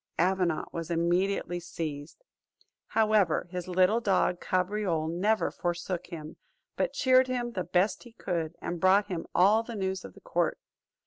Avenant was immediately seized. However, his little dog Cabriole never forsook him, but cheered him the best he could, and brought him all the news of the court.